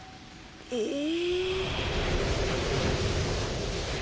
ええ。